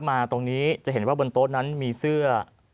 ขอมอบจากท่านรองเลยนะครับขอมอบจากท่านรองเลยนะครับขอมอบจากท่านรองเลยนะครับ